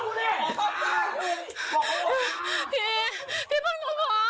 ทีมันน่ะ